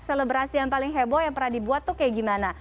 selebrasi yang paling heboh yang pernah dibuat tuh kayak gimana